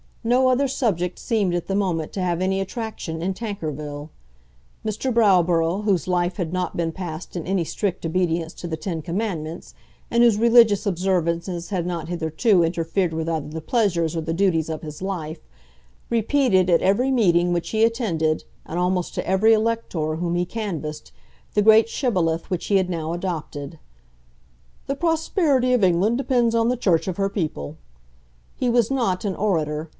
No other subject seemed at the moment to have any attraction in Tankerville. Mr. Browborough, whose life had not been passed in any strict obedience to the Ten Commandments, and whose religious observances had not hitherto interfered with either the pleasures or the duties of his life, repeated at every meeting which he attended, and almost to every elector whom he canvassed, the great Shibboleth which he had now adopted "The prosperity of England depends on the Church of her people." He was not an orator.